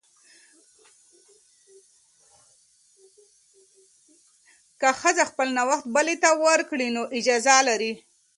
که ښځه خپل نوبت بلې ته ورکړي، نو اجازه لري.